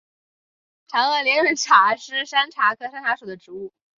长萼连蕊茶是山茶科山茶属的植物。